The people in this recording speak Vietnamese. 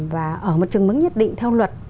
và ở một chứng minh nhất định theo luật